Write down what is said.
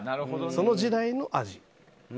その時代の味。